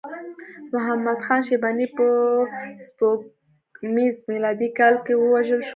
محمد خان شیباني په سپوږمیز میلادي کال کې ووژل شو.